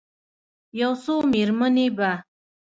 یو څو میرمنې به،